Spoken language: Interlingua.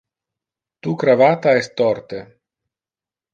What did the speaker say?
Tu cravata es torte.